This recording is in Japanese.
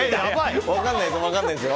分からないですよ。